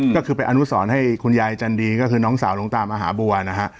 ก็คือไปอนุสรให้คุณยายจันดีก็คือน้องสาวหลวงตามหาบัวนะฮะ